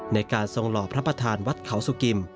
ในการทรงหล่อพระประธานวัดเขาสุกิม